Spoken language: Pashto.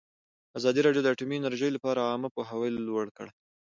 ازادي راډیو د اټومي انرژي لپاره عامه پوهاوي لوړ کړی.